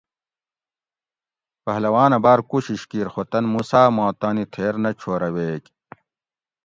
پہلوانہ باۤر کوشش کیر خو تن موسیٰ ما تانی تھیر نہ چھورہ ویگ